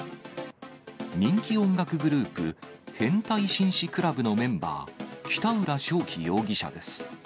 人気音楽グループ、変態紳士クラブのメンバー、北浦翔暉容疑者です。